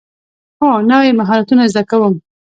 هو، نوی مهارتونه زده کوم